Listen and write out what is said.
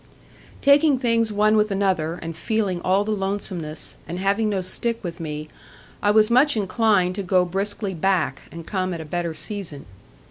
Taking things one with another, and feeling all the lonesomeness, and having no stick with me, I was much inclined to go briskly back, and come at a better season.